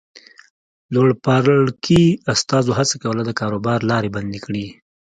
لوړپاړکي استازو هڅه کوله د کاروبار لارې بندې کړي.